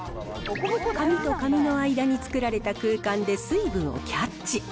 紙と紙の間に作られた空間で水分をキャッチ。